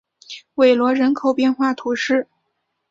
韦罗人口变化图示